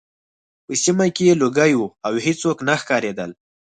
په سیمه کې لوګي وو او هېڅوک نه ښکارېدل